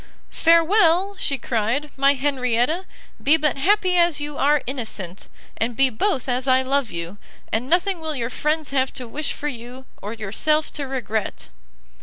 "Farewell," she cried, "my Henrietta, be but happy as you are innocent, and be both as I love you, and nothing will your friends have to wish for you, or yourself to regret."